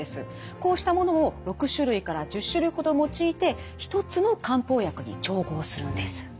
こうしたものを６種類から１０種類ほど用いて一つの漢方薬に調合するんです。